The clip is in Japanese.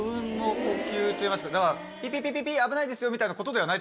といいますかだから「ピピピ危ないですよ」みたいなことではない？